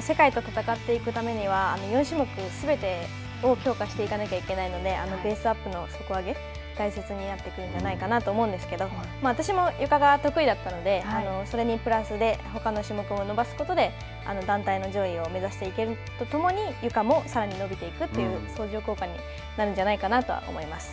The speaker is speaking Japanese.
世界と戦っていくためには４種目すべてを強化していかなきゃいけないのでベースアップの底上げ大切になってくるんじゃないかなと思うんですけれども私もゆかが得意だったのでそれにプラスでほかの種目を伸ばすことで団体の上位を目指していけるとともにゆかもさらに伸びていくという相乗効果になるんじゃないかなとは思います。